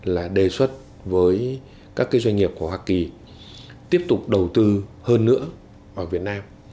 là đề xuất với các cái doanh nghiệp của hoa kỳ tiếp tục đầu tư hơn nữa vào việt nam